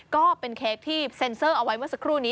ก็เป็นเค้กที่เซ็นเซอร์เอาไว้เมื่อสักครู่นี้